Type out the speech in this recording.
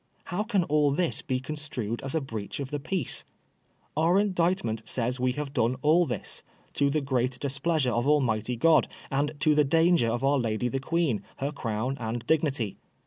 How can all this be construed as a breach of the peace ? Our Indictment says we have done all this, to the great displeasure of Almighty God, and to the danger of our Lady the Queen, her crown and dignity.